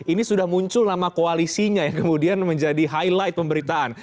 ini sudah muncul nama koalisinya yang kemudian menjadi highlight pemberitaan